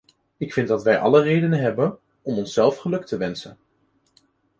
Ik vind dat wij alle reden hebben om onszelf geluk te wensen.